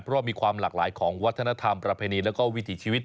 เพราะมีความหลากหลายของวัฒนธรรมประเพณีแล้วก็วิถีชีวิต